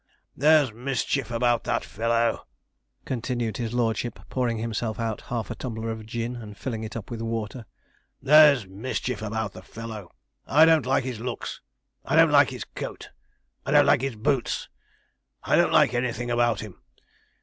'There's mischief about that fellow,' continued his lordship, pouring himself out half a tumbler of gin, and filling it up with water. 'There's mischief about the fellow. I don't like his looks I don't like his coat I don't like his boots I don't like anything about him.